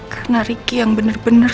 karena ricky yang bener bener